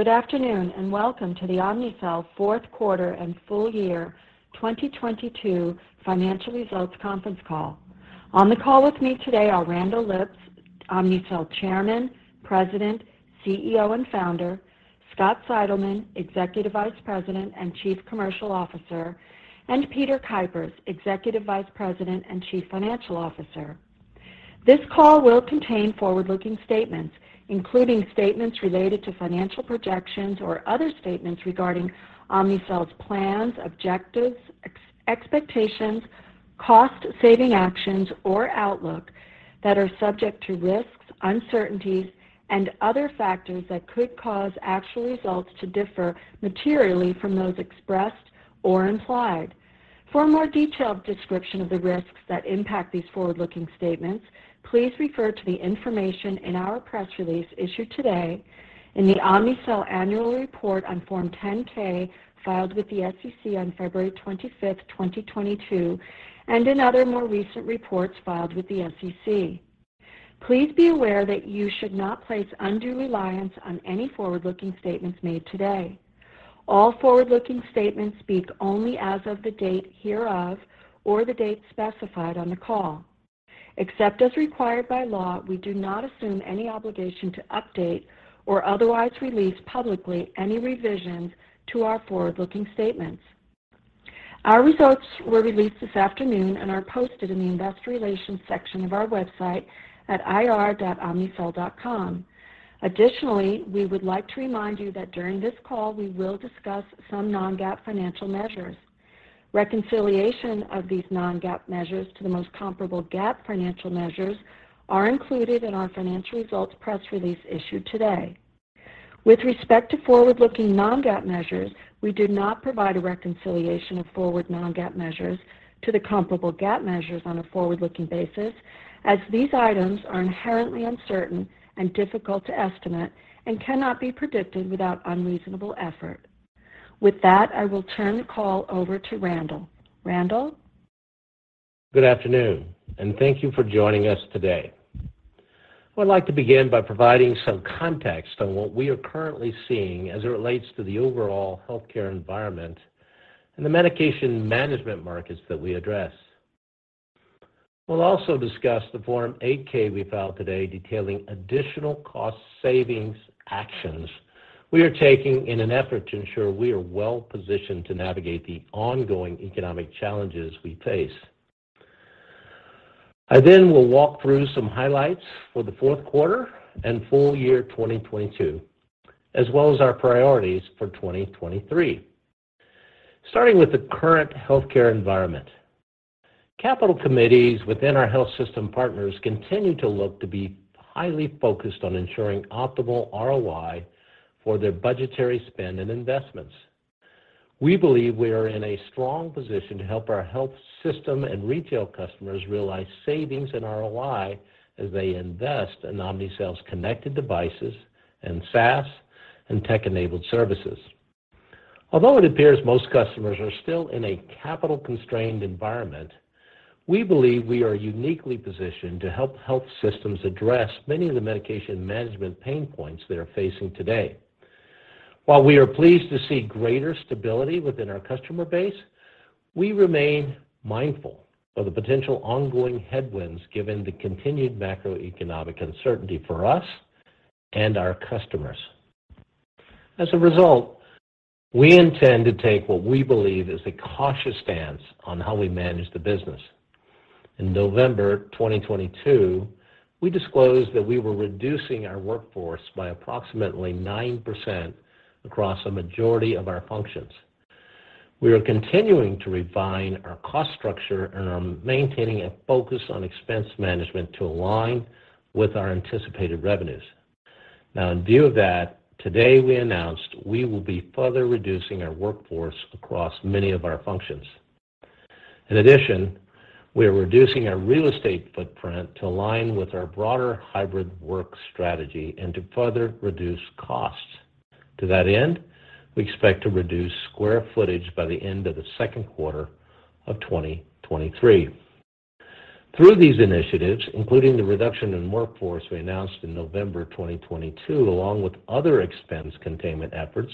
Good afternoon, and welcome to the Omnicell fourth quarter and full year 2022 financial results conference call. On the call with me today are Randall Lipps, Omnicell Chairman, President, CEO, and Founder, Scott Seidelmann, Executive Vice President and Chief Commercial Officer, and Peter Kuipers, Executive Vice President and Chief Financial Officer. This call will contain forward-looking statements, including statements related to financial projections or other statements regarding Omnicell's plans, objectives, expectations, cost-saving actions, or outlook that are subject to risks, uncertainties, and other factors that could cause actual results to differ materially from those expressed or implied. For a more detailed description of the risks that impact these forward-looking statements, please refer to the information in our press release issued today in the Omnicell Annual Report on Form 10-K filed with the SEC on February 25th, 2022, and in other more recent reports filed with the SEC. Please be aware that you should not place undue reliance on any forward-looking statements made today. All forward-looking statements speak only as of the date hereof or the date specified on the call. Except as required by law, we do not assume any obligation to update or otherwise release publicly any revisions to our forward-looking statements. Our results were released this afternoon and are posted in the Investor Relations section of our website at ir.omnicell.com. We would like to remind you that during this call, we will discuss some non-GAAP financial measures. Reconciliation of these non-GAAP measures to the most comparable GAAP financial measures are included in our financial results press release issued today. With respect to forward-looking non-GAAP measures, we did not provide a reconciliation of forward non-GAAP measures to the comparable GAAP measures on a forward-looking basis as these items are inherently uncertain and difficult to estimate and cannot be predicted without unreasonable effort. With that, I will turn the call over to Randall. Randall. Good afternoon, and thank you for joining us today. I'd like to begin by providing some context on what we are currently seeing as it relates to the overall healthcare environment and the medication management markets that we address. We'll also discuss the Form 8-K we filed today detailing additional cost savings actions we are taking in an effort to ensure we are well-positioned to navigate the ongoing economic challenges we face. I then will walk through some highlights for the fourth quarter and full year 2022, as well as our priorities for 2023. Starting with the current healthcare environment. Capital committees within our health system partners continue to look to be highly focused on ensuring optimal ROI for their budgetary spend and investments. We believe we are in a strong position to help our health system and retail customers realize savings and ROI as they invest in Omnicell's connected devices and SaaS and tech-enabled services. Although it appears most customers are still in a capital-constrained environment, we believe we are uniquely positioned to help health systems address many of the medication management pain points they are facing today. While we are pleased to see greater stability within our customer base, we remain mindful of the potential ongoing headwinds given the continued macroeconomic uncertainty for us and our customers. As a result, we intend to take what we believe is a cautious stance on how we manage the business. In November 2022, we disclosed that we were reducing our workforce by approximately 9% across a majority of our functions. We are continuing to refine our cost structure and are maintaining a focus on expense management to align with our anticipated revenues. In view of that, today we announced we will be further reducing our workforce across many of our functions. In addition, we are reducing our real estate footprint to align with our broader hybrid work strategy and to further reduce costs. To that end, we expect to reduce square footage by the end of the second quarter of 2023. Through these initiatives, including the reduction in workforce we announced in November 2022, along with other expense containment efforts,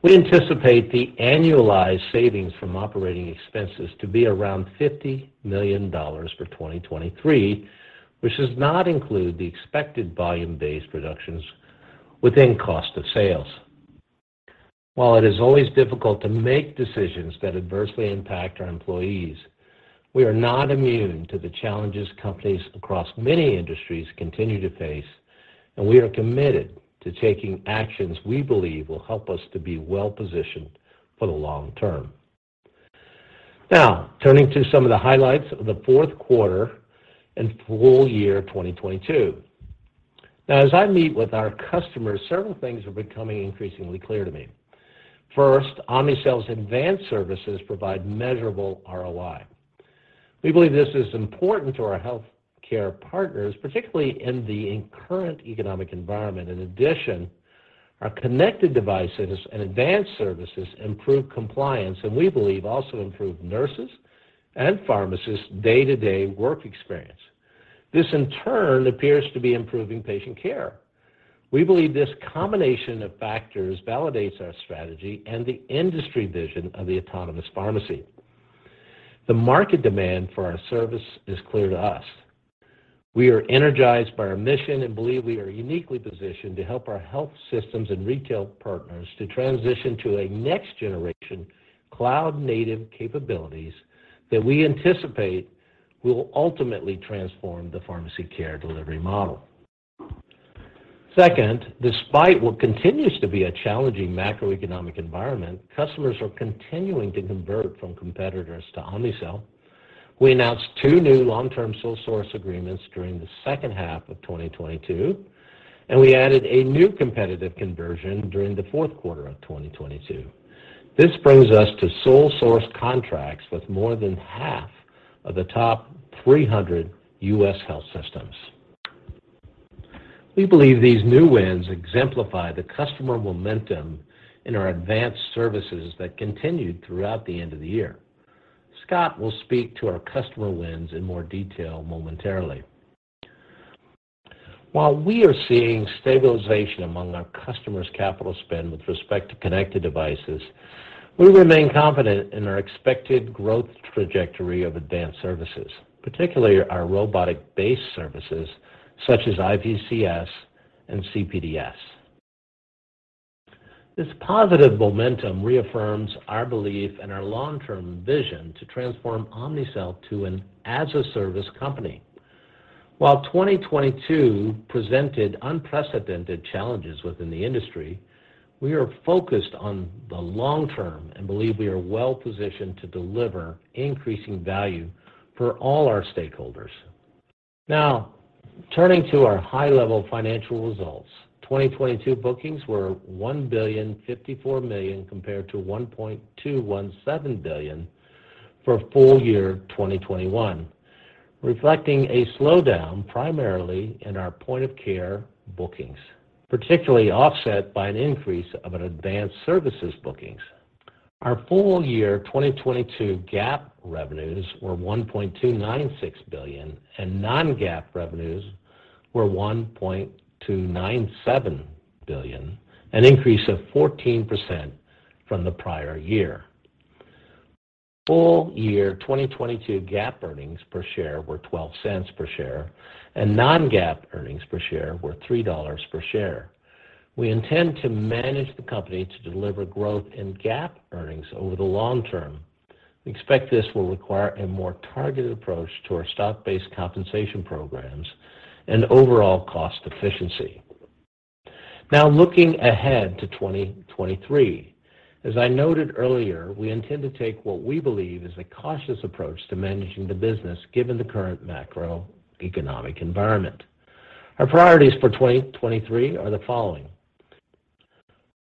we anticipate the annualized savings from operating expenses to be around $50 million for 2023, which does not include the expected volume-based reductions within cost of sales. While it is always difficult to make decisions that adversely impact our employees, we are not immune to the challenges companies across many industries continue to face, we are committed to taking actions we believe will help us to be well-positioned for the long term. Turning to some of the highlights of the fourth quarter and full year 2022. As I meet with our customers, several things are becoming increasingly clear to me. First, Omnicell's advanced services provide measurable ROI. We believe this is important to our healthcare partners, particularly in the current economic environment. In addition, our connected devices and advanced services improve compliance, and we believe also improve nurses' and pharmacists' day-to-day work experience. This in turn appears to be improving patient care. We believe this combination of factors validates our strategy and the industry vision of the Autonomous Pharmacy. The market demand for our service is clear to us. We are energized by our mission and believe we are uniquely positioned to help our health systems and retail partners to transition to a next generation cloud native capabilities that we anticipate will ultimately transform the pharmacy care delivery model. Second, despite what continues to be a challenging macroeconomic environment, customers are continuing to convert from competitors to Omnicell. We announced two new long-term sole source agreements during the 2nd half of 2022, and we added a new competitive conversion during the 4th quarter of 2022. This brings us to sole source contracts with more than half of the top 300 U.S. health systems. We believe these new wins exemplify the customer momentum in our advanced services that continued throughout the end of the year. Scott will speak to our customer wins in more detail momentarily. While we are seeing stabilization among our customers' capital spend with respect to connected devices, we remain confident in our expected growth trajectory of advanced services, particularly our robotic-based services such as IVCS and CPDS. This positive momentum reaffirms our belief and our long-term vision to transform Omnicell to an as a service company. While 2022 presented unprecedented challenges within the industry, we are focused on the long term and believe we are well positioned to deliver increasing value for all our stakeholders. Turning to our high level financial results. 2022 bookings were $1.054 billion compared to $1.217 billion for full year 2021, reflecting a slowdown primarily in our point of care bookings, particularly offset by an increase of an advanced services bookings. Our full year 2022 GAAP revenues were $1.296 billion, and non-GAAP revenues were $1.297 billion, an increase of 14% from the prior year. Full year 2022 GAAP earnings per share were $0.12 per share, and non-GAAP earnings per share were $3 per share. We intend to manage the company to deliver growth and GAAP earnings over the long term. We expect this will require a more targeted approach to our stock-based compensation programs and overall cost efficiency. Now, looking ahead to 2023. As I noted earlier, we intend to take what we believe is a cautious approach to managing the business given the current macroeconomic environment. Our priorities for 2023 are the following.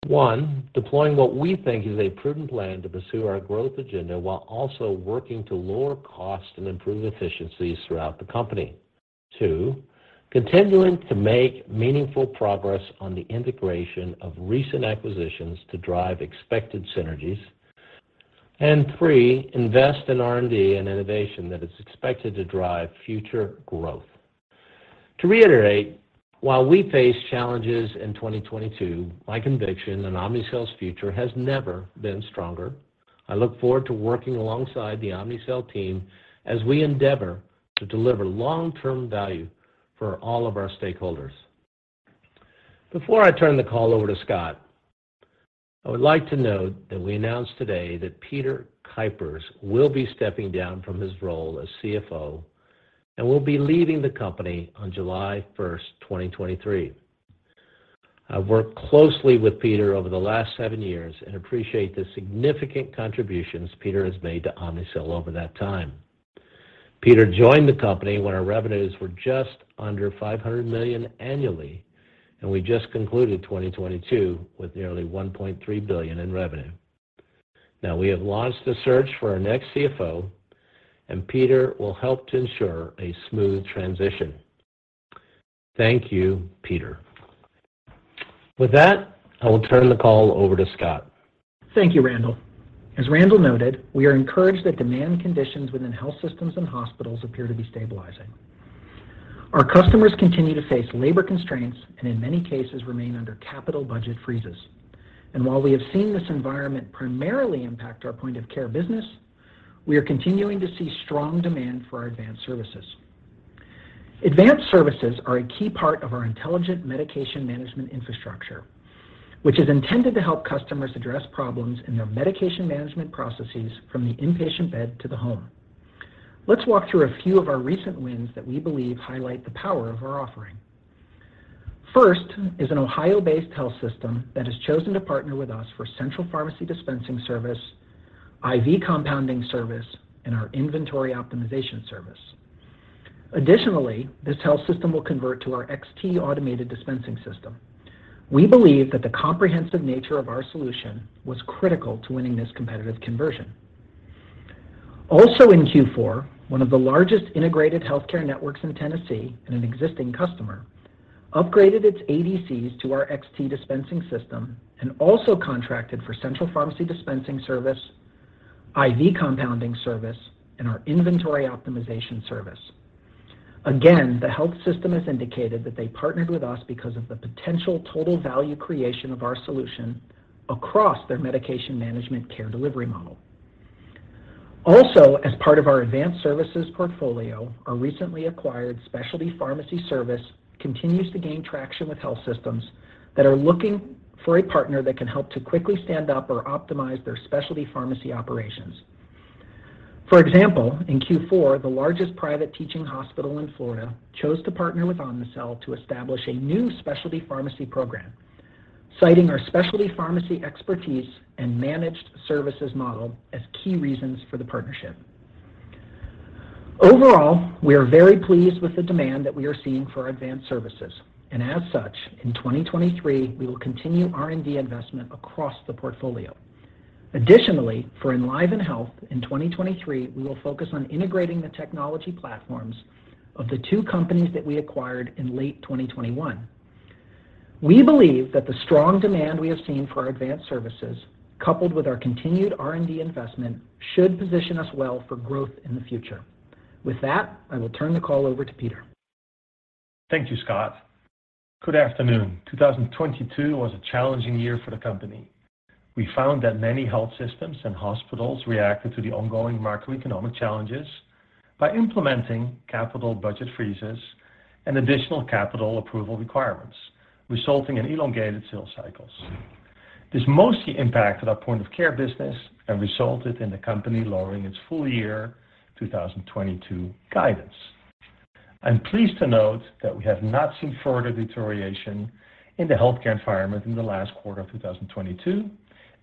One, deploying what we think is a prudent plan to pursue our growth agenda while also working to lower cost and improve efficiencies throughout the company. Two, continuing to make meaningful progress on the integration of recent acquisitions to drive expected synergies. three, invest in R&D and innovation that is expected to drive future growth. To reiterate, while we face challenges in 2022, my conviction in Omnicell's future has never been stronger. I look forward to working alongside the Omnicell team as we endeavor to deliver long-term value for all of our stakeholders. Before I turn the call over to Scott, I would like to note that we announced today that Peter Kuipers will be stepping down from his role as CFO and will be leaving the company on July first, 2023. I've worked closely with Peter over the last seven years and appreciate the significant contributions Peter has made to Omnicell over that time. Peter joined the company when our revenues were just under $500 million annually, and we just concluded 2022 with nearly $1.3 billion in revenue. Now, we have launched a search for our next CFO, and Peter will help to ensure a smooth transition. Thank you, Peter. With that, I will turn the call over to Scott. Thank you, Randall. As Randall noted, we are encouraged that demand conditions within health systems and hospitals appear to be stabilizing. Our customers continue to face labor constraints in many cases remain under capital budget freezes. While we have seen this environment primarily impact our point of care business, we are continuing to see strong demand for our advanced services. Advanced services are a key part of our intelligent medication management infrastructure, which is intended to help customers address problems in their medication management processes from the inpatient bed to the home. Let's walk through a few of our recent wins that we believe highlight the power of our offering. First is an Ohio-based health system that has chosen to partner with us for Central Pharmacy Dispensing Service, IV Compounding Service, and our Inventory Optimization Service. Additionally, this health system will convert to our XT Automated Dispensing System. We believe that the comprehensive nature of our solution was critical to winning this competitive conversion. In Q4, one of the largest integrated healthcare networks in Tennessee and an existing customer upgraded its ADCs to our XT dispensing system and also contracted for Central Pharmacy Dispensing Service, IV Compounding Service, and our Inventory Optimization Service. The health system has indicated that they partnered with us because of the potential total value creation of our solution across their medication management care delivery model. As part of our advanced services portfolio, our recently acquired Specialty Pharmacy Service continues to gain traction with health systems that are looking for a partner that can help to quickly stand up or optimize their specialty pharmacy operations. For example, in Q4, the largest private teaching hospital in Florida chose to partner with Omnicell to establish a new specialty pharmacy program, citing our specialty pharmacy expertise and managed services model as key reasons for the partnership. Overall, we are very pleased with the demand that we are seeing for our advanced services, and as such, in 2023, we will continue R&D investment across the portfolio. Additionally, for EnlivenHealth in 2023, we will focus on integrating the technology platforms of the 2 companies that we acquired in late 2021. We believe that the strong demand we have seen for our advanced services, coupled with our continued R&D investment, should position us well for growth in the future. With that, I will turn the call over to Peter. Thank you, Scott. Good afternoon. 2022 was a challenging year for the company. We found that many health systems and hospitals reacted to the ongoing macroeconomic challenges by implementing capital budget freezes and additional capital approval requirements, resulting in elongated sales cycles. This mostly impacted our point of care business and resulted in the company lowering its full year 2022 guidance. I'm pleased to note that we have not seen further deterioration in the healthcare environment in the last quarter of 2022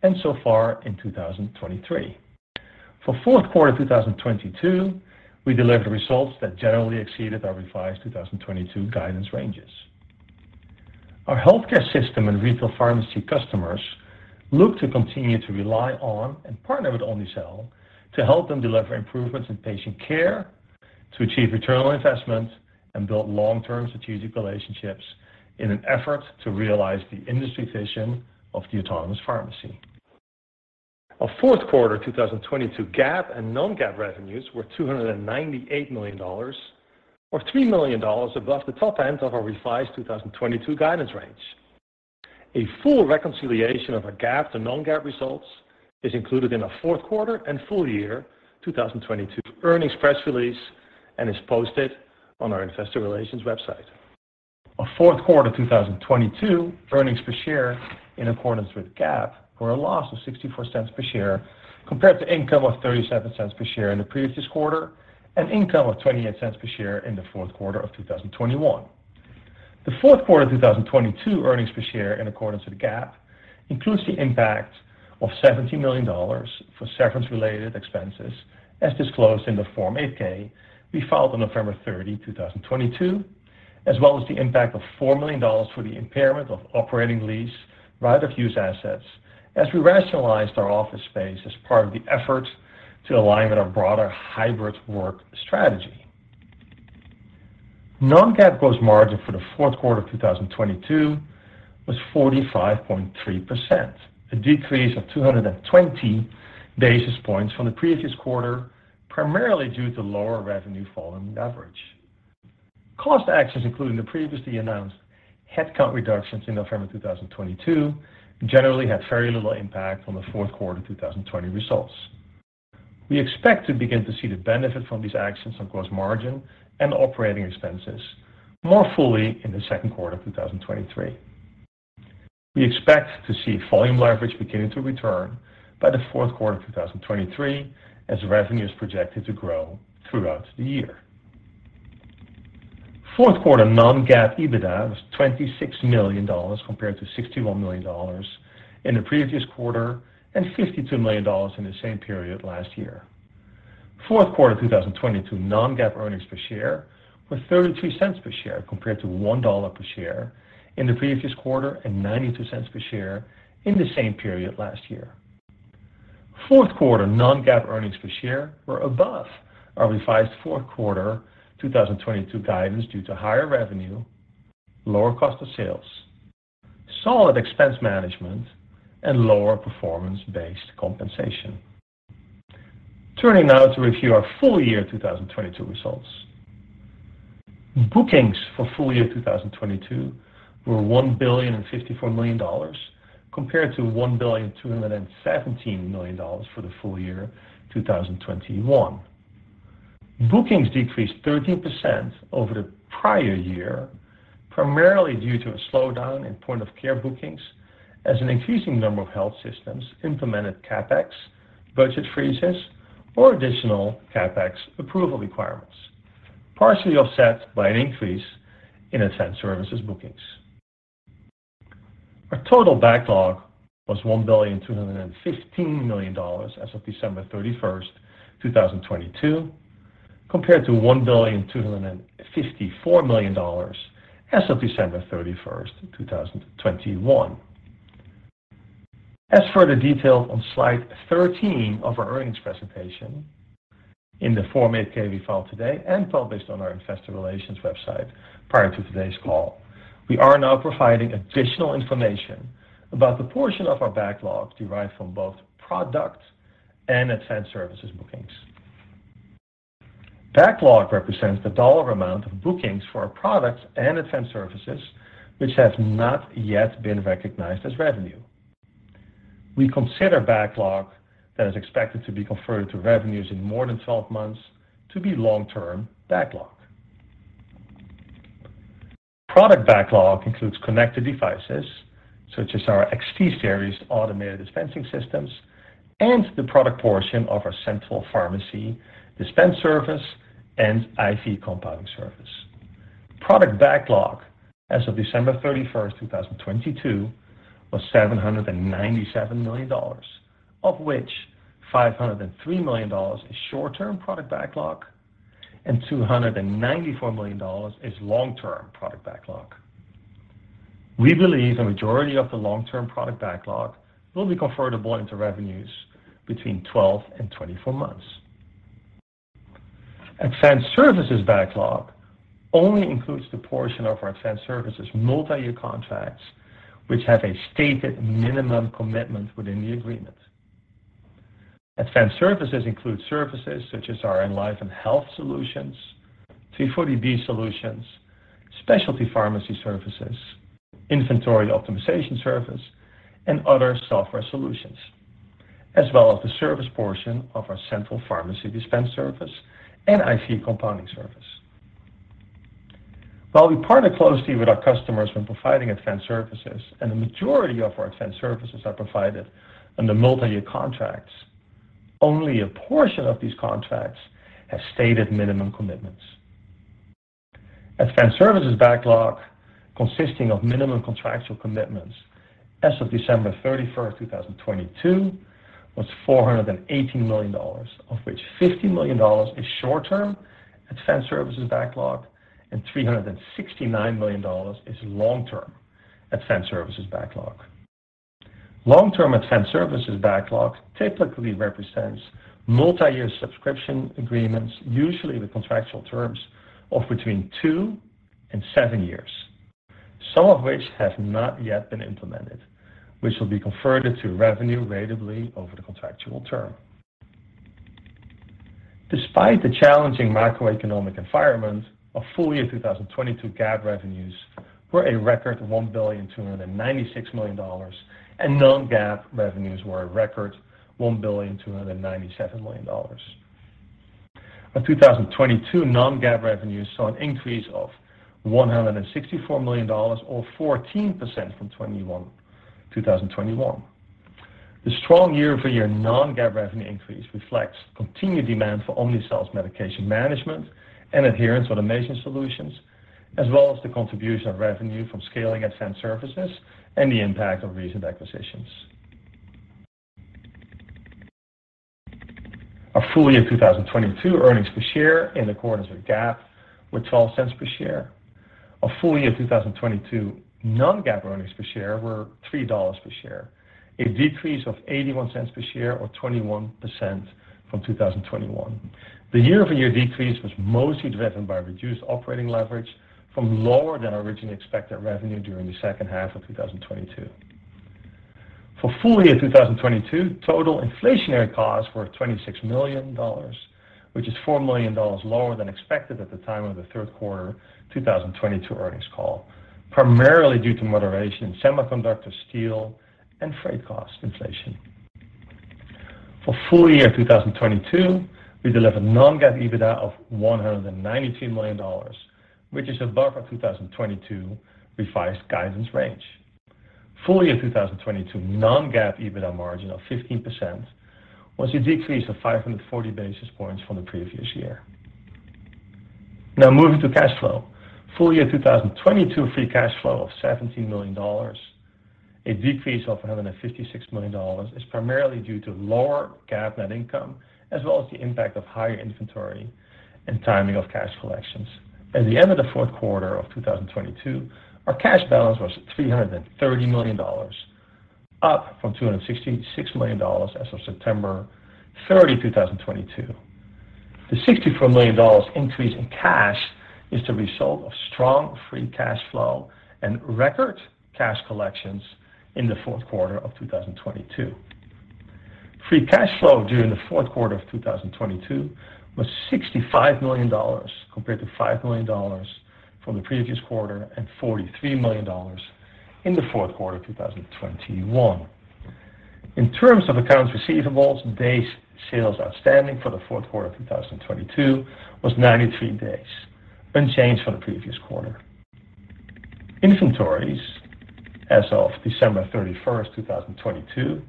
and so far in 2023. For fourth quarter 2022, we delivered results that generally exceeded our revised 2022 guidance ranges. Our healthcare system and retail pharmacy customers look to continue to rely on and partner with Omnicell to help them deliver improvements in patient care, to achieve return on investment, and build long-term strategic relationships in an effort to realize the industry vision of the Autonomous Pharmacy. Our fourth quarter 2022 GAAP and non-GAAP revenues were $298 million, or $3 million above the top end of our revised 2022 guidance range. A full reconciliation of our GAAP to non-GAAP results is included in our fourth quarter and full year 2022 earnings press release and is posted on our investor relations website. Our fourth quarter 2022 earnings per share in accordance with GAAP were a loss of $0.64 per share compared to income of $0.37 per share in the previous quarter and income of $0.28 per share in the fourth quarter of 2021. The fourth quarter 2022 earnings per share in accordance with GAAP includes the impact of $70 million for severance-related expenses as disclosed in the Form 8-K we filed on November 30th, 2022, as well as the impact of $4 million for the impairment of operating lease right of use assets as we rationalized our office space as part of the effort to align with our broader hybrid work strategy. Non-GAAP gross margin for the fourth quarter of 2022 was 45.3%, a decrease of 220 basis points from the previous quarter, primarily due to lower revenue volume average. Cost actions, including the previously announced headcount reductions in November 2022, generally had very little impact on the fourth quarter 2020 results. We expect to begin to see the benefit from these actions on gross margin and operating expenses more fully in the second quarter of 2023. We expect to see volume leverage beginning to return by the fourth quarter of 2023 as revenue is projected to grow throughout the year. Fourth quarter non-GAAP EBITDA was $26 million compared to $61 million in the previous quarter and $52 million in the same period last year. Fourth quarter 2022 non-GAAP earnings per share were $0.33 per share compared to $1 per share in the previous quarter and $0.92 per share in the same period last year. Fourth quarter non-GAAP earnings per share were above our revised fourth quarter 2022 guidance due to higher revenue, lower cost of sales, solid expense management, and lower performance-based compensation. Turning now to review our full year 2022 results. Bookings for full year 2022 were $1,054 million compared to $1,217 million for the full year 2021. Bookings decreased 13% over the prior year, primarily due to a slowdown in point of care bookings as an increasing number of health systems implemented CapEx, budget freezes, or additional CapEx approval requirements, partially offset by an increase in advanced services bookings. Our total backlog was $1.215 billion as of December 31st, 2022, compared to $1.254 billion as of December 31st, 2021. As further detailed on slide 13 of our earnings presentation. In the Form 8-K we filed today and published on our investor relations website prior to today's call, we are now providing additional information about the portion of our backlog derived from both product and advanced services bookings. Backlog represents the dollar amount of bookings for our products and advanced services which have not yet been recognized as revenue. We consider backlog that is expected to be converted to revenues in more than 12 months to be long-term backlog. Product backlog includes connected devices such as our XT Series Automated Dispensing System and the product portion of our Central Pharmacy Dispensing Service and IV Compounding Service. Product backlog as of December 31st, 2022 was $797 million, of which $503 million is short-term product backlog and $294 million is long-term product backlog. We believe a majority of the long-term product backlog will be convertible into revenues between 12 and 24 months. Advanced services backlog only includes the portion of our advanced services multiyear contracts which have a stated minimum commitment within the agreement. Advanced services include services such as our EnlivenHealth solutions, 340B solutions, Specialty Pharmacy Services, Inventory Optimization Service, and other software solutions, as well as the service portion of our Central Pharmacy Dispensing Service and IV Compounding Service. While we partner closely with our customers when providing advanced services, and the majority of our advanced services are provided under multiyear contracts, only a portion of these contracts have stated minimum commitments. Advanced services backlog consisting of minimum contractual commitments as of December 31st, 2022 was $418 million, of which $50 million is short term advanced services backlog and $369 million is long term advanced services backlog. Long-term advanced services backlog typically represents multiyear subscription agreements, usually with contractual terms of between two and seven years, some of which have not yet been implemented, which will be converted to revenue ratably over the contractual term. Despite the challenging macroeconomic environment, our full year 2022 GAAP revenues were a record $1.296 billion, and non-GAAP revenues were a record $1.297 billion. Our 2022 non-GAAP revenues saw an increase of $164 million or 14% from 2021. The strong year-over-year non-GAAP revenue increase reflects continued demand for Omnicell's medication management and adherence automation solutions, as well as the contribution of revenue from scaling advanced services and the impact of recent acquisitions. Our full year 2022 earnings per share in accordance with GAAP were $0.12 per share. Our full year 2022 non-GAAP earnings per share were $3 per share, a decrease of $0.81 per share or 21% from 2021. The year-over-year decrease was mostly driven by reduced operating leverage from lower than originally expected revenue during the second half of 2022. For full year 2022, total inflationary costs were $26 million, which is $4 million lower than expected at the time of the third quarter 2022 earnings call, primarily due to moderation in semiconductor, steel, and freight cost inflation. For full year 2022, we delivered non-GAAP EBITDA of $192 million, which is above our 2022 revised guidance range. Full year 2022 non-GAAP EBITDA margin of 15% was a decrease of 540 basis points from the previous year. Moving to cash flow. Full year 2022 free cash flow of $17 million. A decrease of $156 million is primarily due to lower GAAP net income, as well as the impact of higher inventory and timing of cash collections. At the end of the fourth quarter of 2022, our cash balance was $330 million, up from $266 million as of September 30th, 2022. The $64 million increase in cash is the result of strong free cash flow and record cash collections in the fourth quarter of 2022. Free cash flow during the fourth quarter of 2022 was $65 million compared to $5 million from the previous quarter and $43 million in the fourth quarter of 2021. In terms of accounts receivables, days sales outstanding for the fourth quarter of 2022 was 93 days, unchanged from the previous quarter. Inventories as of December 31st, 2022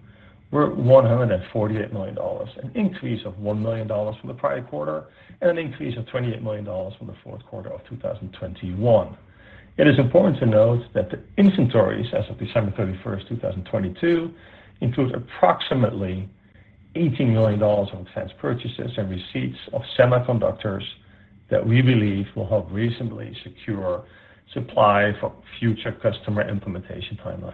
were $148 million, an increase of $1 million from the prior quarter and an increase of $28 million from the fourth quarter of 2021. It is important to note that the inventories as of December 31st, 2022 include approximately $18 million of advance purchases and receipts of semiconductors that we believe will help reasonably secure supply for future customer implementation timelines.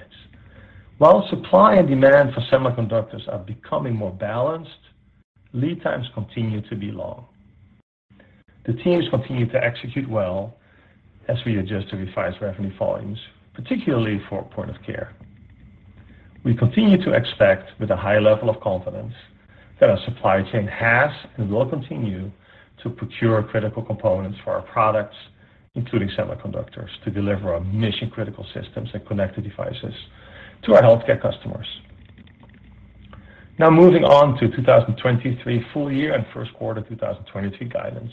While supply and demand for semiconductors are becoming more balanced, lead times continue to be long. The teams continue to execute well as we adjust to revised revenue volumes, particularly for point of care. We continue to expect with a high level of confidence that our supply chain has and will continue to procure critical components for our products, including semiconductors, to deliver our mission-critical systems and connected devices to our healthcare customers. Now, moving on to 2023 full year and first quarter 2022 guidance.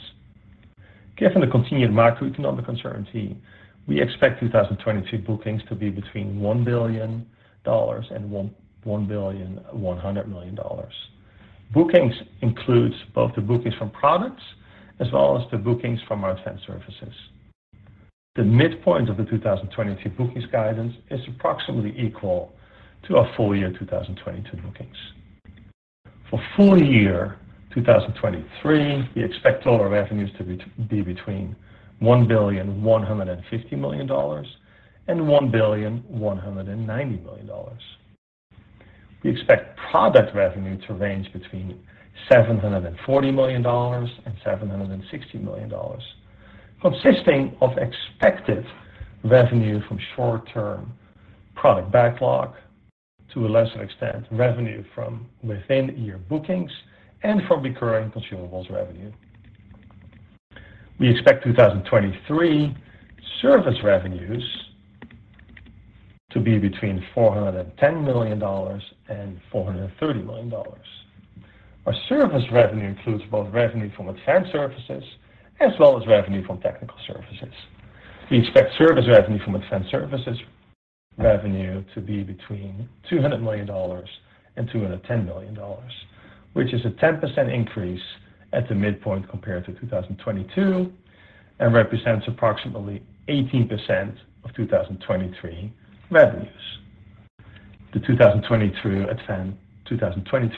Given the continued macroeconomic uncertainty, we expect 2022 bookings to be between $1 billion and $1.1 billion. Bookings includes both the bookings from products as well as the bookings from our advanced services. The midpoint of the 2022 bookings guidance is approximately equal to our full year 2022 bookings. For full year 2023, we expect total revenues to be between $1.15 billion and $1.19 billion. We expect product revenue to range between $740 million and $760 million, consisting of expected revenue from short-term product backlog, to a lesser extent, revenue from within year bookings, and from recurring consumables revenue. We expect 2023 service revenues to be between $410 million and $430 million. Our service revenue includes both revenue from advanced services as well as revenue from technical services. We expect service revenue from advanced services revenue to be between $200 million and $210 million, which is a 10% increase at the midpoint compared to 2022, and represents approximately 18% of 2023 revenues. The 2023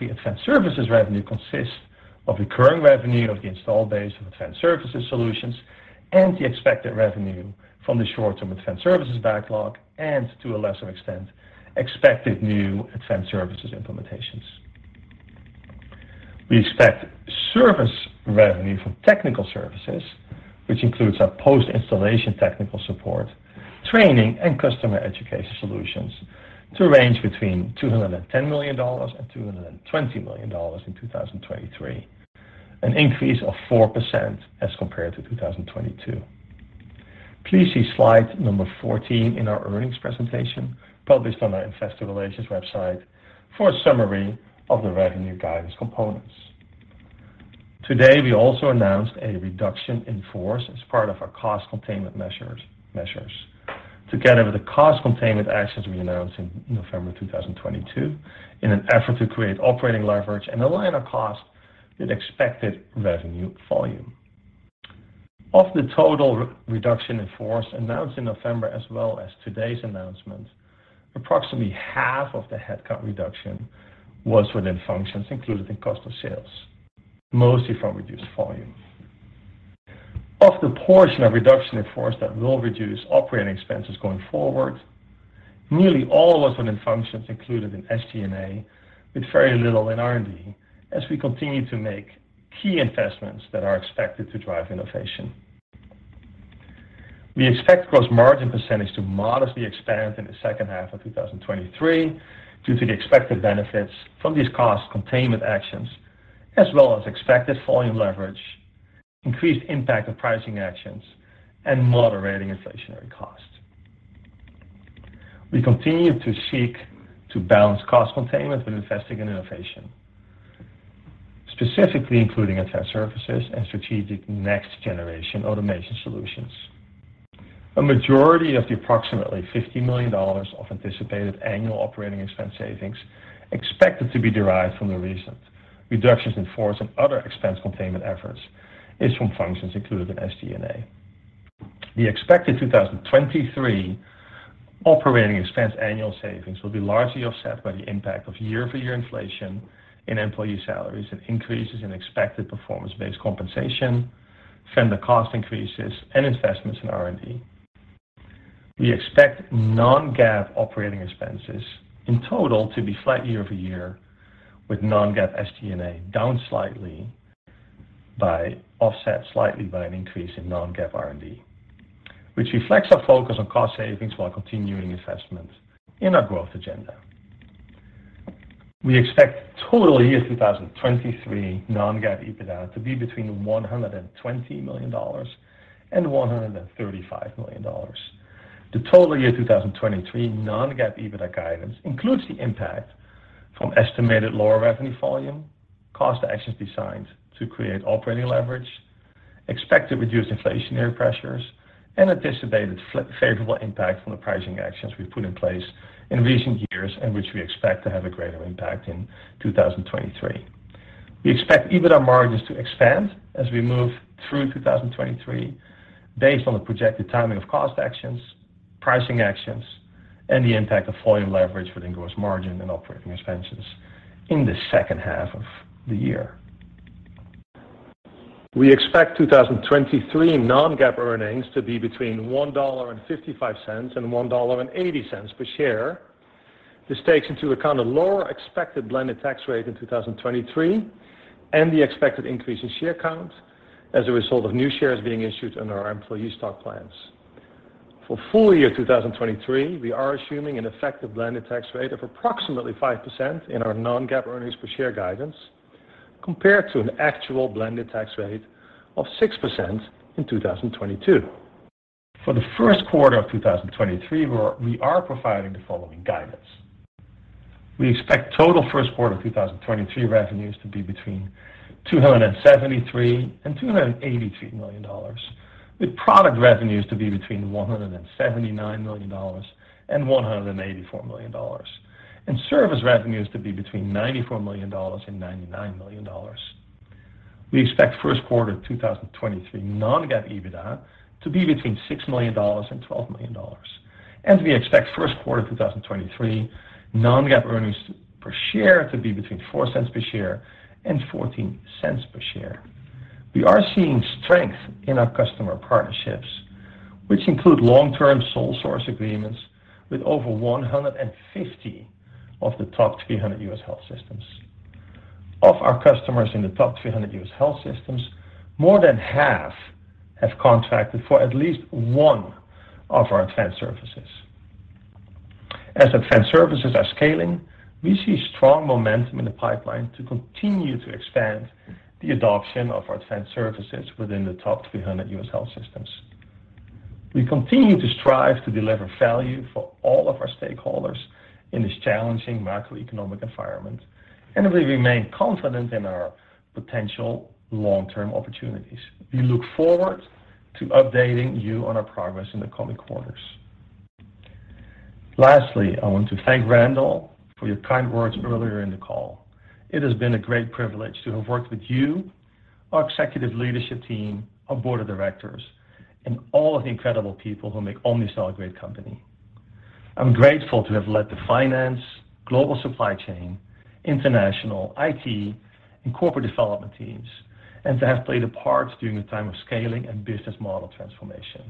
advanced services revenue consists of recurring revenue of the installed base of advanced services solutions and the expected revenue from the short-term advanced services backlog, and to a lesser extent, expected new advanced services implementations. We expect service revenue from technical services, which includes our post-installation technical support, training, and customer education solutions, to range between $210 million and $220 million in 2023, an increase of 4% as compared to 2022. Please see slide number 14 in our earnings presentation, published on our investor relations website, for a summary of the revenue guidance components. Today, we also announced a reduction in force as part of our cost containment measures, together with the cost containment actions we announced in November 2022, in an effort to create operating leverage and align our cost with expected revenue volume. Of the total reduction in force announced in November as well as today's announcement, approximately half of the headcount reduction was within functions included in cost of sales, mostly from reduced volume. Of the portion of reduction in force that will reduce operating expenses going forward, nearly all was within functions included in SG&A, with very little in R&D, as we continue to make key investments that are expected to drive innovation. We expect gross margin percentage to modestly expand in the second half of 2023 due to the expected benefits from these cost containment actions, as well as expected volume leverage, increased impact of pricing actions, and moderating inflationary costs. We continue to seek to balance cost containment with investing in innovation, specifically including advanced services and strategic next-generation automation solutions. A majority of the approximately $50 million of anticipated annual operating expense savings expected to be derived from the recent reductions in force and other expense containment efforts is from functions included in SG&A. The expected 2023 operating expense annual savings will be largely offset by the impact of year-over-year inflation in employee salaries and increases in expected performance-based compensation, vendor cost increases, and investments in R&D. We expect non-GAAP operating expenses in total to be slight year-over-year, with non-GAAP SG&A down slightly offset slightly by an increase in non-GAAP R&D, which reflects our focus on cost savings while continuing investments in our growth agenda. We expect total year 2023 non-GAAP EBITDA to be between $120 million and $135 million. The total year 2023 non-GAAP EBITDA guidance includes the impact from estimated lower revenue volume, cost actions designed to create operating leverage, expected reduced inflationary pressures, and anticipated favorable impact from the pricing actions we've put in place in recent years and which we expect to have a greater impact in 2023. We expect EBITDA margins to expand as we move through 2023 based on the projected timing of cost actions, pricing actions, and the impact of volume leverage for the gross margin and operating expenses in the second half of the year. We expect 2023 non-GAAP earnings to be between $1.55 and $1.80 per share. This takes into account a lower expected blended tax rate in 2023 and the expected increase in share count as a result of new shares being issued under our employee stock plans. For full year 2023, we are assuming an effective blended tax rate of approximately 5% in our non-GAAP earnings per share guidance, compared to an actual blended tax rate of 6% in 2022. For the first quarter of 2023, we are providing the following guidance. We expect total first quarter 2023 revenues to be between $273 million and $283 million, with product revenues to be between $179 million and $184 million, and service revenues to be between $94 million and $99 million. We expect first quarter 2023 non-GAAP EBITDA to be between $6 million and $12 million. We expect first quarter 2023 non-GAAP earnings per share to be between $0.04 per share and $0.14 per share. We are seeing strength in our customer partnerships, which include long-term sole source agreements with over 150 of the top 300 U.S. health systems. Of our customers in the top 300 U.S. health systems, more than half have contracted for at least one of our advanced services. As advanced services are scaling, we see strong momentum in the pipeline to continue to expand the adoption of our advanced services within the top 300 U.S. health systems. We continue to strive to deliver value for all of our stakeholders in this challenging macroeconomic environment. We remain confident in our potential long-term opportunities. We look forward to updating you on our progress in the coming quarters. Lastly, I want to thank Randall for your kind words earlier in the call. It has been a great privilege to have worked with you, our executive leadership team, our board of directors, and all of the incredible people who make Omnicell a great company. I'm grateful to have led the finance, global supply chain, international, IT, and corporate development teams, and to have played a part during the time of scaling and business model transformation.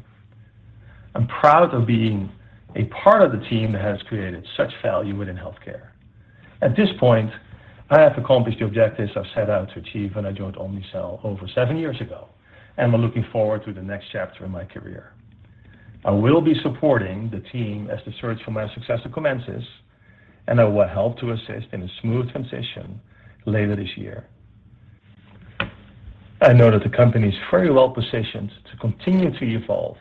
I'm proud of being a part of the team that has created such value within healthcare. At this point, I have accomplished the objectives I've set out to achieve when I joined Omnicell over seven years ago, and I'm looking forward to the next chapter in my career. I will be supporting the team as the search for my successor commences, and I will help to assist in a smooth transition later this year. I know that the company is very well positioned to continue to evolve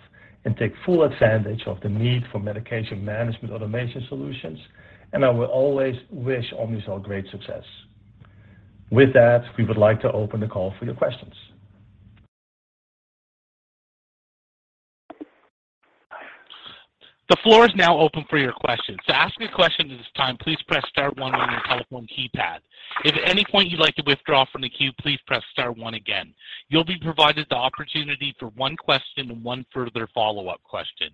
and take full advantage of the need for medication management automation solutions, and I will always wish Omnicell great success. With that, we would like to open the call for your questions. The floor is now open for your questions. To ask a question at this time, please press star one on your telephone keypad. If at any point you'd like to withdraw from the queue, please press star one again. You'll be provided the opportunity for one question and one further follow-up question.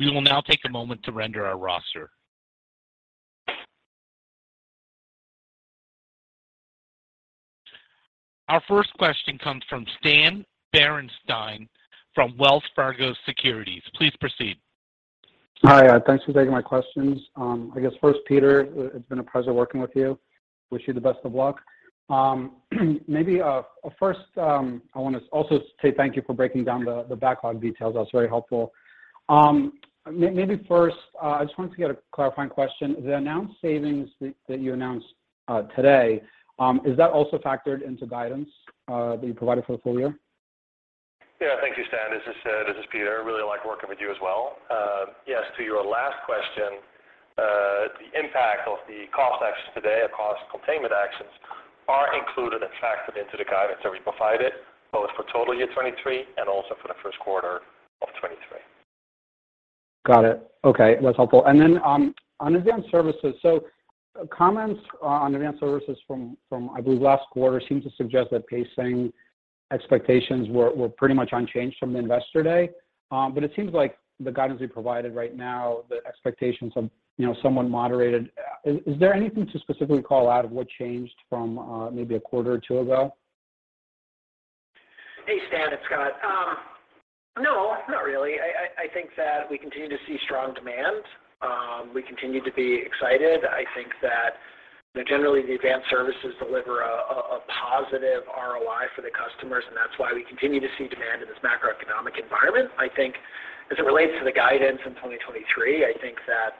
We will now take a moment to render our roster. Our first question comes from Stan Berenshteyn from Wells Fargo Securities. Please proceed. Hi. Thanks for taking my questions. I guess first, Peter, it's been a pleasure working with you. Wish you the best of luck. Maybe first, I wanna also say thank you for breaking down the backlog details. That was very helpful. Maybe first, I just wanted to get a clarifying question. The announced savings that you announced today, is that also factored into guidance that you provided for the full year? Yeah. Thank you, Stan. As I said, this is Peter. Really like working with you as well. Yes, to your last question, the impact of the cost actions today, or cost containment actions, are included and factored into the guidance that we provided, both for total year 2023 and also for the first quarter of 2023. Got it. Okay. That's helpful. On advanced services. Comments on advanced services from, I believe last quarter, seemed to suggest that pacing expectations were pretty much unchanged from the Investor Day. It seems like the guidance you've provided right now, the expectations have, you know, somewhat moderated. Is there anything to specifically call out of what changed from maybe a quarter or two ago? Hey, Stan. It's Scott. No, not really. I think that we continue to see strong demand. We continue to be excited. I think that, you know, generally, the advanced services deliver a positive ROI for the customers, and that's why we continue to see demand in this macroeconomic environment. I think as it relates to the guidance in 2023, I think that,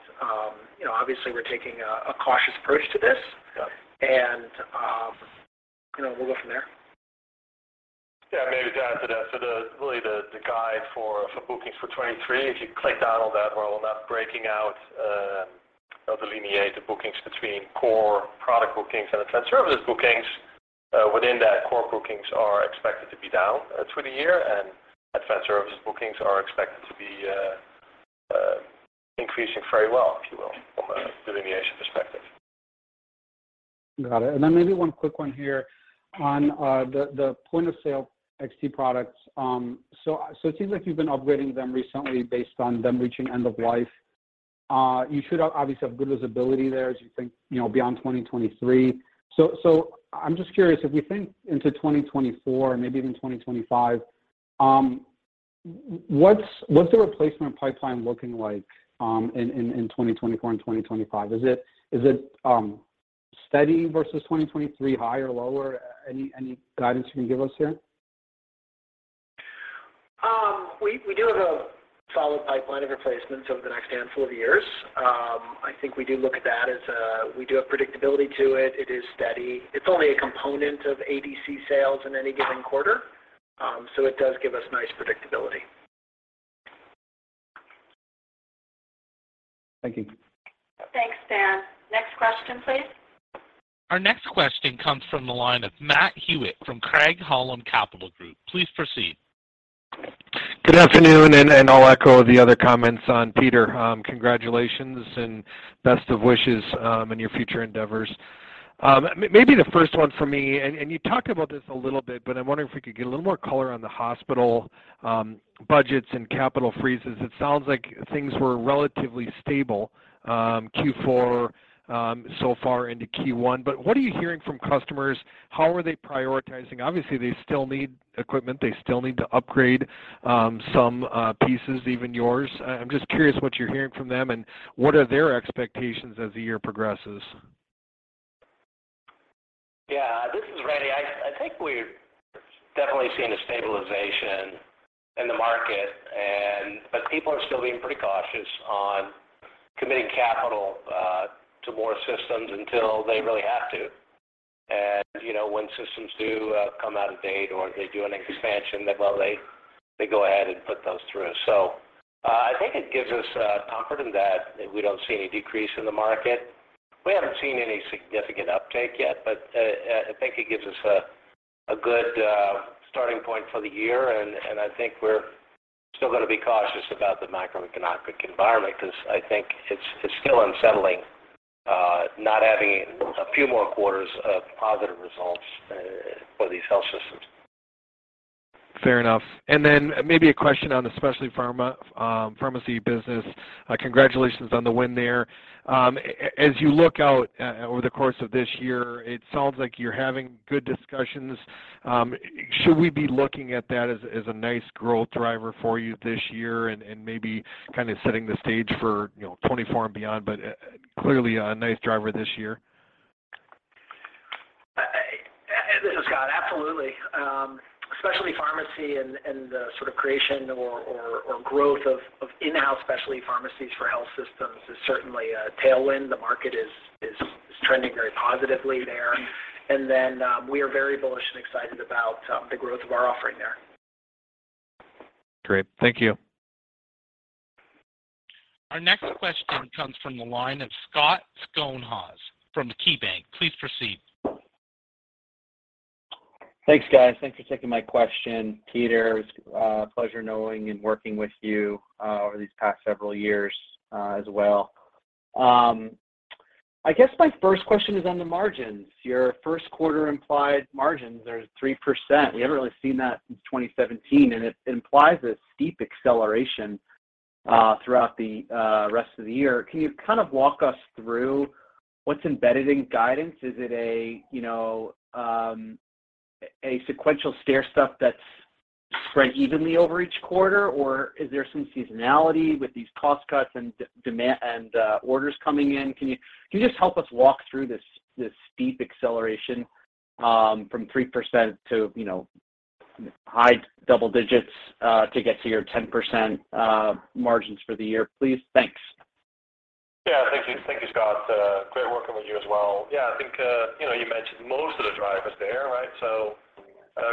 you know, obviously we're taking a cautious approach to this. Got it. You know, we'll go from there. Yeah. Maybe to add to that. Really the guide for bookings for 2023, if you click down on that, we're not breaking out or delineate the bookings between core product bookings and advanced services bookings. Within that, core bookings are expected to be down through the year, and advanced services bookings are expected to be increasing very well, if you will, from a delineation perspective. Got it. Maybe one quick one here on the point-of-sale XT products. It seems like you've been upgrading them recently based on them reaching end of life. You should obviously have good visibility there as you think, you know, beyond 2023. I'm just curious, if we think into 2024, maybe even 2025, what's the replacement pipeline looking like in 2024 and 2025? Is it steady versus 2023 higher or lower? Any, any guidance you can give us here? We do have a solid pipeline of replacements over the next handful of years. I think we do look at that as we do have predictability to it. It is steady. It's only a component of ADC sales in any given quarter, so it does give us nice predictability. Thank you. Thanks, Stan. Next question, please. Our next question comes from the line of Matt Hewitt from Craig-Hallum Capital Group. Please proceed. Good afternoon, and I'll echo the other comments on Peter. Congratulations and best of wishes in your future endeavors. Maybe the first one for me, and you talked about this a little bit, but I'm wondering if we could get a little more color on the hospital budgets and capital freezes. It sounds like things were relatively stable Q4 so far into Q1. What are you hearing from customers? How are they prioritizing? Obviously, they still need equipment. They still need to upgrade some pieces, even yours. I'm just curious what you're hearing from them, and what are their expectations as the year progresses? Yeah, this is Randy. I think we're definitely seeing a stabilization in the market and but people are still being pretty cautious on committing capital to more systems until they really have to. You know, when systems do come out of date or they do an expansion, then well they go ahead and put those through. I think it gives us comfort in that we don't see any decrease in the market. We haven't seen any significant uptake yet, but, I think it gives us a good starting point for the year. I think we're still gonna be cautious about the macroeconomic environment because I think it's still unsettling not having a few more quarters of positive results for these health systems. Fair enough. Then maybe a question on the Specialty Pharmacy business, congratulations on the win there. As you look out over the course of this year, it sounds like you're having good discussions. Should we be looking at that as a nice growth driver for you this year and maybe kind of setting the stage for, you know, 2024 and beyond, clearly a nice driver this year? This is Scott. Absolutely. specialty pharmacy and the sort of creation or growth of in-house specialty pharmacies for health systems is certainly a tailwind. The market is trending very positively there. Then, we are very bullish and excited about the growth of our offering there. Great. Thank you. Our next question comes from the line of Scott Schoenhaus from KeyBank. Please proceed. Thanks, guys. Thanks for taking my question. Peter, it's a pleasure knowing and working with you over these past several years as well. I guess my first question is on the margins. Your first quarter implied margins are 3%. We haven't really seen that since 2017, it implies a steep acceleration throughout the rest of the year. Can you kind of walk us through what's embedded in guidance? Is it a, you know, a sequential stair-step that's spread evenly over each quarter, or is there some seasonality with these cost cuts and orders coming in? Can you just help us walk through this steep acceleration from 3% to, you know, high double digits to get to your 10% margins for the year, please? Thanks. Yeah. Thank you. Thank you, Scott. Great working with you as well. Yeah, I think, you know, you mentioned most of the drivers there, right?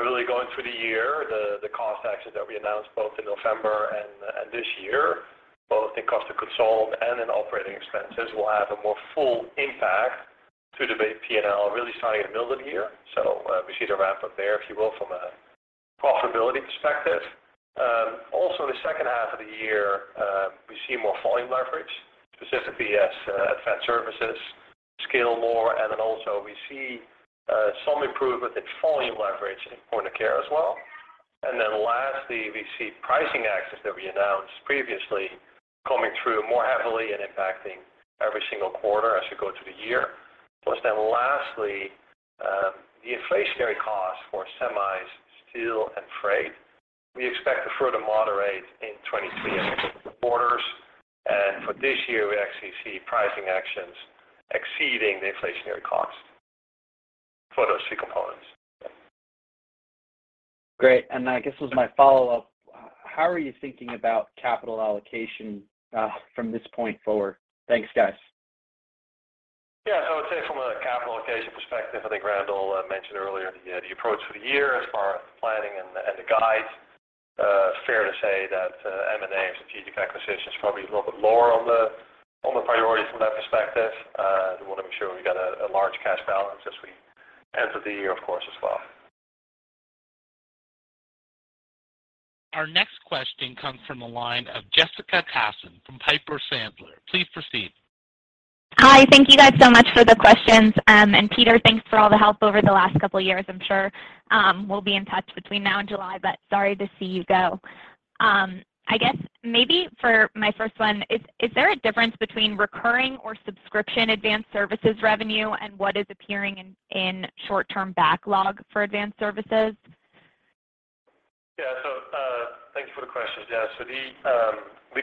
Really going through the year, the cost actions that we announced both in November and this year, both in cost of sales and in operating expenses, will have a more full impact to the P&L, really starting in the middle of the year. We see the ramp-up there, if you will, from a profitability perspective. Also the second half of the year, we see more volume leverage, specifically as advanced services scale more, and then also we see some improvement in volume leverage in point of care as well. Lastly, we see pricing actions that we announced previously coming through more heavily and impacting every single quarter as we go through the year. Lastly, the inflationary cost for semis, steel, and freight, we expect to further moderate in 23 in quarters. For this year, we actually see pricing actions exceeding the inflationary costs for those three components. Great. I guess as my follow-up, how are you thinking about capital allocation, from this point forward? Thanks, guys. Yeah. I would say from a capital allocation perspective, I think Randall mentioned earlier the approach for the year as far as the planning and the guide. Fair to say that M&A strategic acquisition is probably a little bit lower on the priority from that perspective. We want to make sure we got a large cash balance as we enter the year, of course, as well. Our next question comes from the line of Jessica Tassan from Piper Sandler. Please proceed. Hi, thank you guys so much for the questions. Peter, thanks for all the help over the last couple of years. I'm sure we'll be in touch between now and July. Sorry to see you go. I guess maybe for my first one, is there a difference between recurring or subscription advanced services revenue and what is appearing in short-term backlog for advanced services? Thank you for the question. The,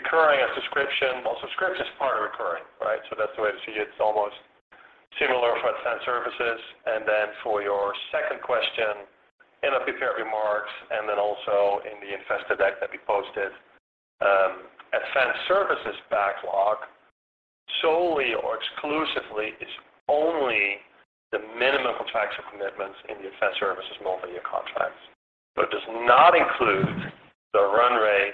well, subscription is part of recurring, right? That's the way to see it. It's almost similar for advanced services. For your second question, in the prepared remarks, and then also in the investor deck that we posted, advanced services backlog solely or exclusively is only the minimum contractual commitments in the advanced services multi-year contracts. It does not include the run rate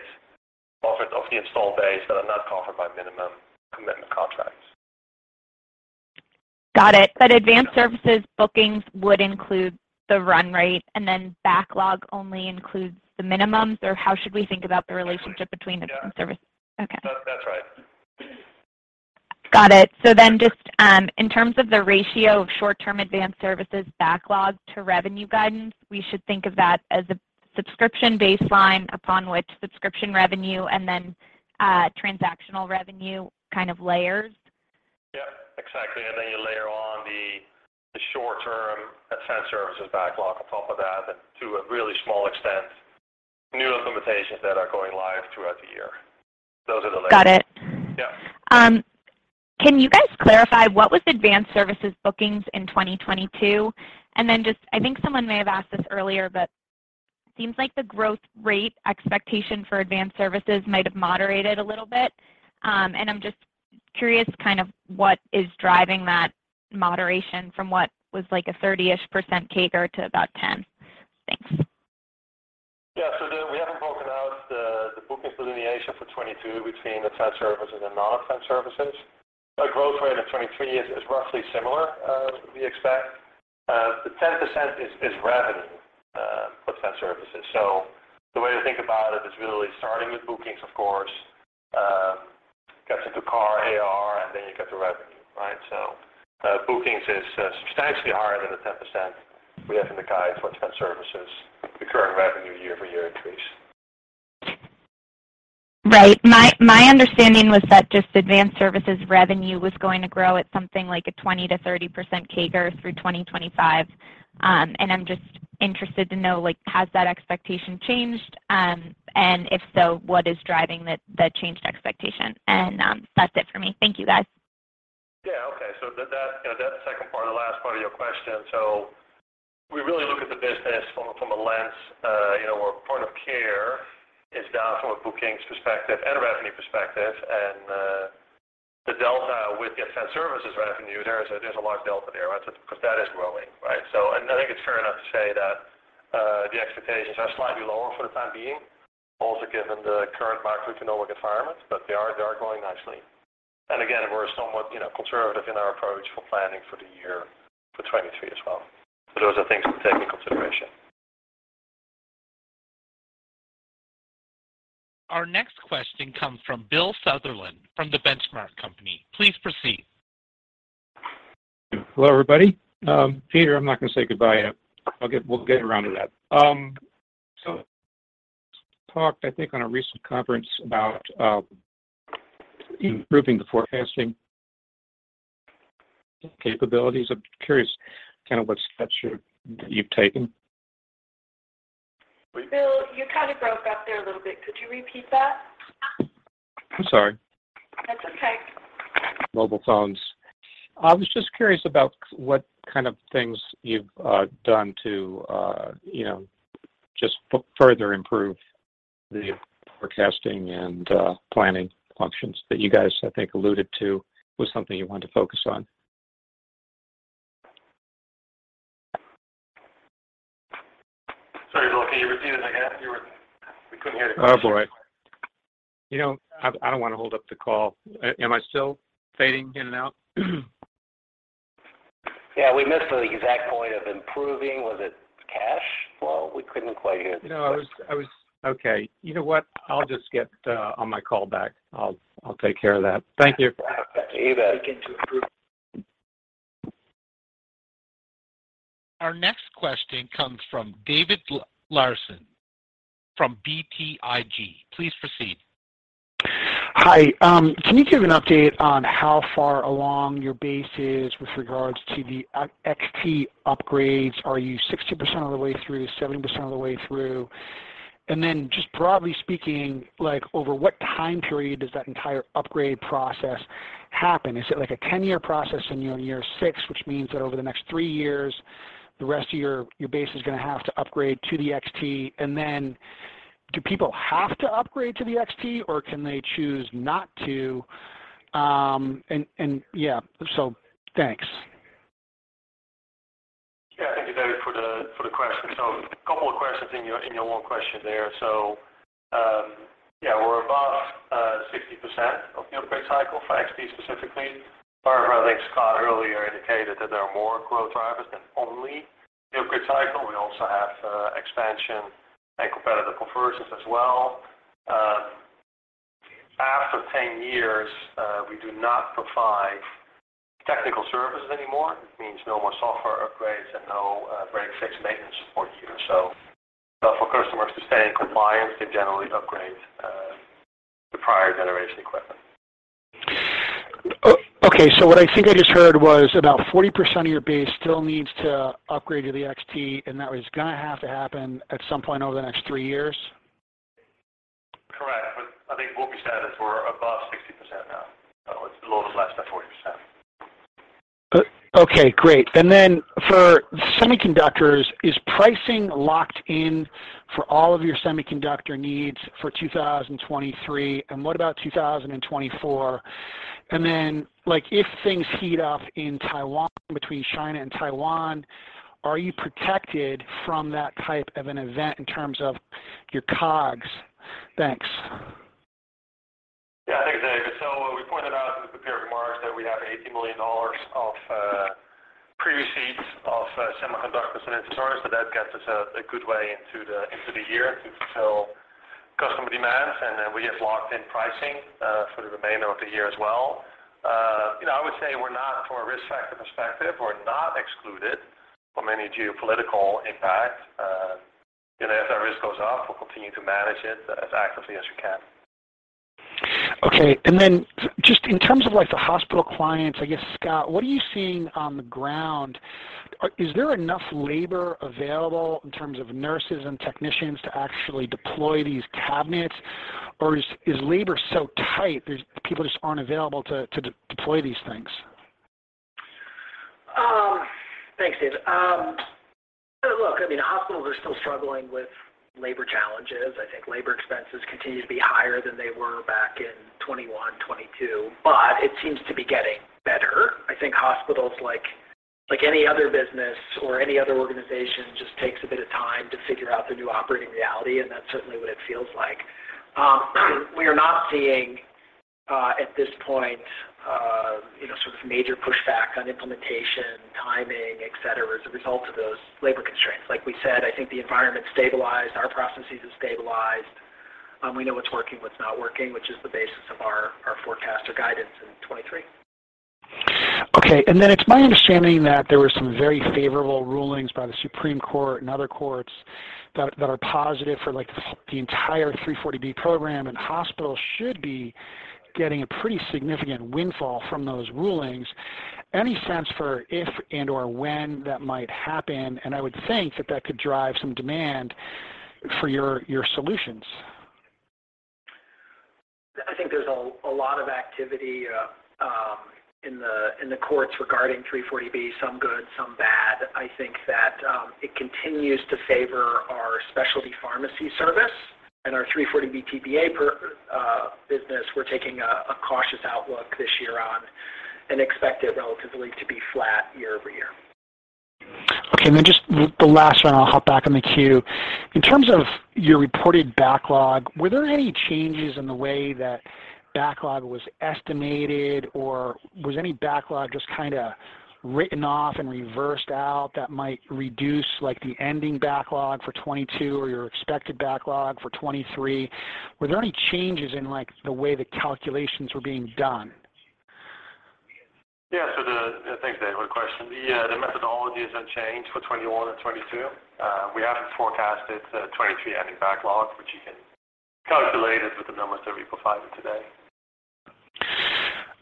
offered of the installed base that are not covered by minimum commitment contracts. Got it. Advanced services bookings would include the run rate, and then backlog only includes the minimums, or how should we think about the relationship between the two services? Yeah. Okay. That's right. Got it. Just in terms of the ratio of short-term advanced services backlog to revenue guidance, we should think of that as a subscription baseline upon which subscription revenue and then transactional revenue kind of layers. Yeah, exactly. Then you layer on the short term advanced services backlog on top of that, and to a really small extent, new implementations that are going live throughout the year. Those are the layers. Got it. Yeah. Can you guys clarify what was advanced services bookings in 2022? Just I think someone may have asked this earlier, but it seems like the growth rate expectation for advanced services might have moderated a little bit. I'm just curious kind of what is driving that moderation from what was, like, a 30-ish% CAGR to about 10. Thanks. Yeah. we haven't broken out the bookings delineation for 2022 between advanced services and non-advanced services. Our growth rate of 2023 is roughly similar, we expect. The 10% is revenue for advanced services. The way to think about it is really starting with bookings, of course, gets into ARR, AR, and then you get the revenue, right? bookings is substantially higher than the 10% we have in the guide for advanced services, recurring revenue year-over-year increase. Right. My understanding was that just advanced services revenue was going to grow at something like a 20%-30% CAGR through 2025. I'm just interested to know, like, has that expectation changed? If so, what is driving the changed expectation? That's it for me. Thank you, guys. Yeah. Okay. That, that, you know, that second part, the last part of your question, we really look at the business from a lens, you know, where point of care is down from a bookings perspective and a revenue perspective. The delta with the advanced services revenue, there's a, there's a large delta there, right? Because that is growing, right? And I think it's fair enough to say that the expectations are slightly lower for the time being, also given the current macroeconomic environment, but they are growing nicely. Again, we're somewhat, you know, conservative in our approach for planning for the year for 2023 as well. Those are things we take into consideration. Our next question comes from Bill Sutherland from The Benchmark Company. Please proceed. Hello, everybody. Peter, I'm not gonna say goodbye yet. We'll get around to that. Talked, I think, on a recent conference about improving the forecasting capabilities. I'm curious kind of what steps you've taken. Bill, you kind of broke up there a little bit. Could you repeat that? I'm sorry. That's okay. Mobile phones. I was just curious about what kind of things you've done to, you know, just further improve the forecasting and planning functions that you guys, I think, alluded to was something you want to focus on? Sorry, Bill. Can you repeat it again? We couldn't hear you. All right. You know, I don't want to hold up the call. Am I still fading in and out? Yeah. We missed the exact point of improving. Was it cash? Well, we couldn't quite hear the question. No, I was. Okay. You know what? I'll just get on my call back. I'll take care of that. Thank you. Yeah. Back to you, Bill. Our next question comes from David Larsen from BTIG. Please proceed. Hi. Can you give an update on how far along your base is with regards to the XT upgrades? Are you 60% of the way through, 70% of the way through? Just broadly speaking, like, over what time period does that entire upgrade process happen? Is it, like, a 10-year process and you're in year six, which means that over the next three years, the rest of your base is gonna have to upgrade to the XT? Do people have to upgrade to the XT, or can they choose not to? Yeah. Thanks. Yeah. Thank you, David, for the question. A couple of questions in your one question there. Yeah, we're above 60% of the upgrade cycle for XT specifically. Barbara, I think, Scott earlier indicated that there are more growth drivers than only the upgrade cycle. We also have expansion and competitive conversions as well. After 10 years, we do not provide technical services anymore. It means no more software upgrades and no break, fix, maintenance support either. For customers to stay in compliance, they generally upgrade the prior generation equipment. Okay. What I think I just heard was about 40% of your base still needs to upgrade to the XT, and that was gonna have to happen at some point over the next three years? Correct. I think what we said is we're above 60% now. It's a little less than 40%. Okay, great. For semiconductors, is pricing locked in for all of your semiconductor needs for 2023, and what about 2024? Like, if things heat up in Taiwan, between China and Taiwan, are you protected from that type of an event in terms of your COGS? Thanks. Yeah, I think, Dave. What we pointed out in the prepared remarks that we have $80 million of pre-receipts of semiconductors and sensors, so that gets us a good way into the year to fulfill customer demands. Then we have locked in pricing for the remainder of the year as well. You know, I would say we're not, from a risk factor perspective, we're not excluded from any geopolitical impact. You know, if that risk goes up, we'll continue to manage it as actively as we can. Okay. just in terms of, like, the hospital clients, I guess, Scott, what are you seeing on the ground? Is there enough labor available in terms of nurses and technicians to actually deploy these cabinets? Or is labor so tight people just aren't available to deploy these things? Thanks, Dave. Look, I mean, hospitals are still struggling with labor challenges. I think labor expenses continue to be higher than they were back in 2021, 2022, but it seems to be getting better. I think hospitals, like any other business or any other organization, just takes a bit of time to figure out the new operating reality, and that's certainly what it feels like. We are not seeing, at this point, you know, sort of major pushback on implementation, timing, et cetera, as a result of those labor constraints. Like we said, I think the environment's stabilized, our processes have stabilized, we know what's working, what's not working, which is the basis of our forecast or guidance in 2023. Okay. Then it's my understanding that there were some very favorable rulings by the Supreme Court and other courts that are positive for, like, the entire 340B program. Hospitals should be getting a pretty significant windfall from those rulings. Any sense for if and/or when that might happen? I would think that that could drive some demand for your solutions. I think there's a lot of activity in the courts regarding 340B, some good, some bad. I think that it continues to favor our Specialty Pharmacy Services and our 340B TPA business, we're taking a cautious outlook this year on and expect it relatively to be flat year-over-year. Okay. Just the last one, I'll hop back in the queue. In terms of your reported backlog, were there any changes in the way that backlog was estimated or was any backlog just kinda written off and reversed out that might reduce, like, the ending backlog for 2022 or your expected backlog for 2023? Were there any changes in, like, the way the calculations were being done? Thanks, Dave, for the question. The methodology hasn't changed for 2021 and 2022. We have forecasted 2023 ending backlog, which you can calculate it with the numbers that we provided today.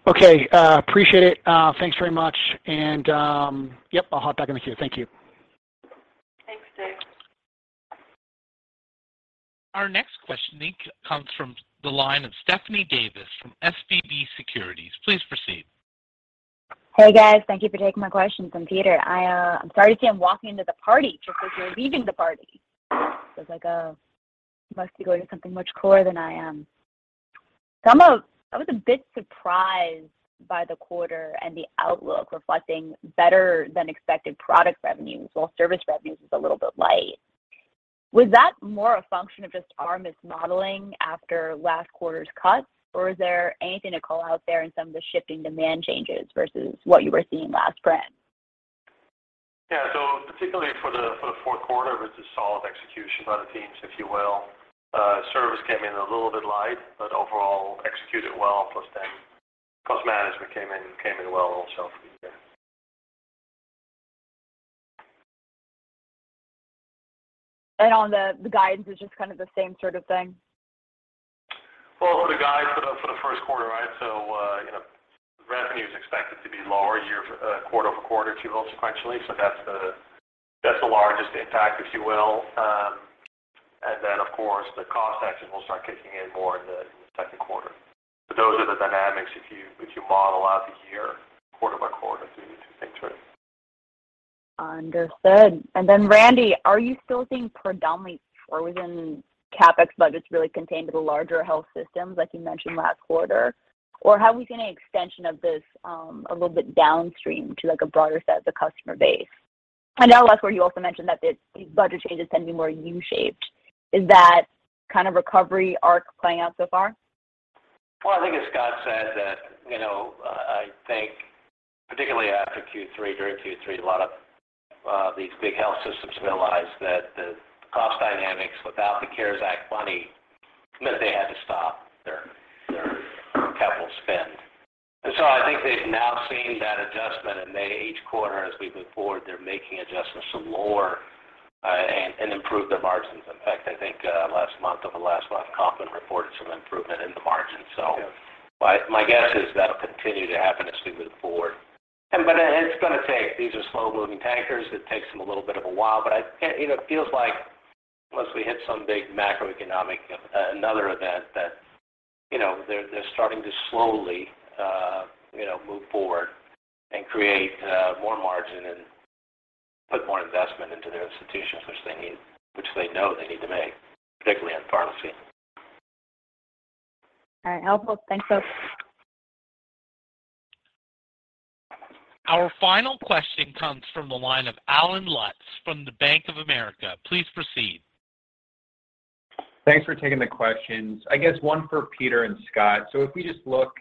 Okay. Appreciate it. Thanks very much. Yep, I'll hop back in the queue. Thank you. Thanks, Dave. Our next question comes from the line of Stephanie Davis from SVB Securities. Please proceed. Hey, guys. Thank you for taking my questions from theater. I'm sorry to say I'm walking into the party just as you're leaving the party. It's like, you must be going to something much cooler than I am. I was a bit surprised by the quarter and the outlook reflecting better than expected product revenues, while service revenues was a little bit light. Was that more a function of just our mismodeling after last quarter's cuts, or is there anything to call out there in some of the shifting demand changes versus what you were seeing last print? Yeah. Particularly for the fourth quarter, it was a solid execution by the teams, if you will. Service came in a little bit light, overall executed well, plus the cost management came in well also for the year. On the guidance is just kind of the same sort of thing? Well, for the guide for the first quarter, right, you know, revenue is expected to be lower quarter-over-quarter, if you will, sequentially. That's the largest impact, if you will. Of course, the cost action will start kicking in more in the second quarter. Those are the dynamics if you model out the year quarter by quarter through 2023. Understood. Randy, are you still seeing predominantly or within CapEx budgets really contained to the larger health systems like you mentioned last quarter? Have we seen an extension of this, a little bit downstream to, like, a broader set of the customer base? I know last quarter you also mentioned that the budget changes tend to be more U-shaped. Is that kind of recovery arc playing out so far? Well, I think as Scott said that, you know, I think particularly after Q3, during Q3, a lot of these big health systems realized that the cost dynamics without the CARES Act money meant they had to stop their capital spend. I think they've now seen that adjustment, and they each quarter as we move forward, they're making adjustments to lower and improve their margins. In fact, I think last month or the last month, Kaufman reported some improvement in the margins. My guess is that'll continue to happen as we move forward. It's gonna take. These are slow-moving tankers. It takes them a little bit of a while. It feels like unless we hit some big macroeconomic another event that, you know, they're starting to slowly, you know, move forward and create more margin and put more investment into their institutions, which they need, which they know they need to make, particularly on pharmacy. All right. I'll hold. Thanks, folks. Our final question comes from the line of Allen Lutz from Bank of America. Please proceed. Thanks for taking the questions. I guess one for Peter and Scott. If we just look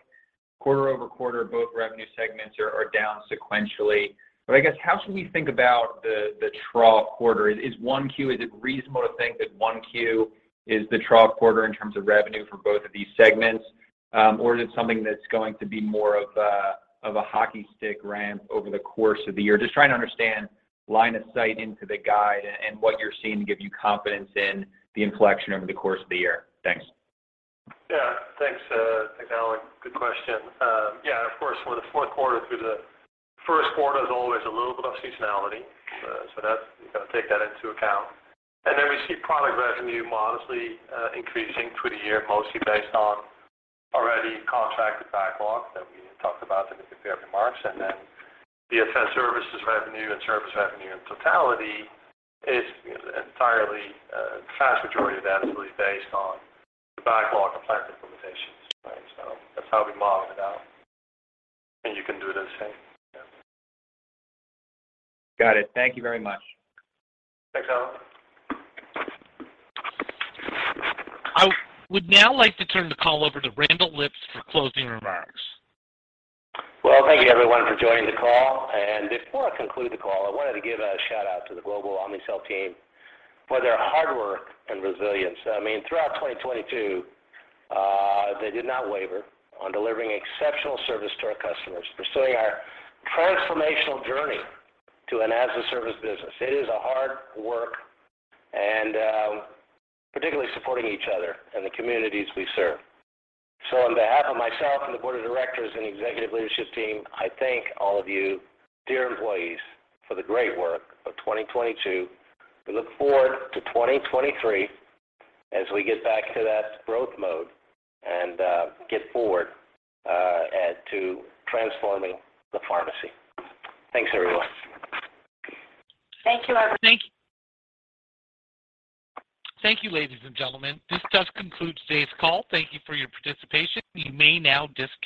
quarter-over-quarter, both revenue segments are down sequentially. I guess how should we think about the trough quarter? Is it reasonable to think that 1Q is the trough quarter in terms of revenue for both of these segments? Or is it something that's going to be more of a hockey stick ramp over the course of the year? Just trying to understand line of sight into the guide and what you're seeing to give you confidence in the inflection over the course of the year. Thanks. Yeah. Thanks, Allen. Good question. Yeah, of course, for the fourth quarter through the first quarter, there's always a little bit of seasonality. So you gotta take that into account. Then we see product revenue modestly increasing through the year, mostly based on already contracted backlog that we talked about in the prepared remarks. Then the asset services revenue and service revenue in totality is entirely the vast majority of that is really based on the backlog of plant implementations. Right. That's how we modeled it out. You can do the same. Yeah. Got it. Thank you very much. Thanks, Allen. I would now like to turn the call over to Randall Lipps for closing remarks. Well, thank you everyone for joining the call. Before I conclude the call, I wanted to give a shout-out to the global Omnicell team for their hard work and resilience. I mean, throughout 2022, they did not waver on delivering exceptional service to our customers, pursuing our transformational journey to an as a service business. It is a hard work and, particularly supporting each other and the communities we serve. On behalf of myself and the board of directors and executive leadership team, I thank all of you, dear employees, for the great work of 2022. We look forward to 2023 as we get back to that growth mode and get forward at to transforming the pharmacy. Thanks, everyone. Thank you, everyone. Thank you, ladies and gentlemen. This does conclude today's call. Thank you for your participation. You may now disconnect.